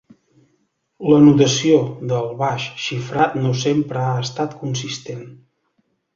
La notació del baix xifrat no sempre ha estat consistent.